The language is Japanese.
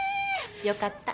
よかった。